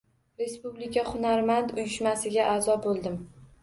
Respublika “Hunarmand” uyushmasiga aʼzo boʻldim.